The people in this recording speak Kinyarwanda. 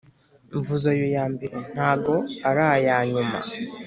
Mvuze ayo yambere nago arayanyuma